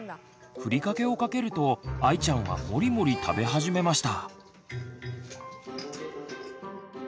ふりかけをかけるとあいちゃんはもりもり食べ始めました。